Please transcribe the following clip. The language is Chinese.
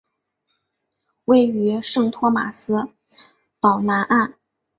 位于圣托马斯岛南岸。